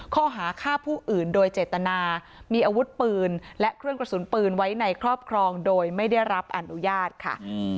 ข้อหาฆ่าผู้อื่นโดยเจตนามีอาวุธปืนและเครื่องกระสุนปืนไว้ในครอบครองโดยไม่ได้รับอนุญาตค่ะ